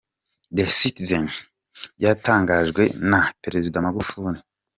The citizen : “Byatangajwe na Perezida Magufuli.”